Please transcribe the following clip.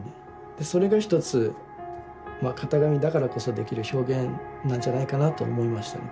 でそれの一つまあ型紙だからこそできる表現なんじゃないかなと思いましたね